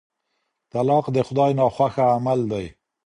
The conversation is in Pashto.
طلاق د خدای ناخوښه عمل دی.